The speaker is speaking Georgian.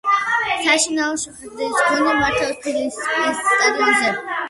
საშინაო შეხვედრებს გუნდი მართავს ფილიპსის სტადიონზე.